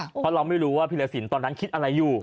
เพราะเราไม่รู้ว่าพิรสินตอนนั้นคิดอะไรอยู่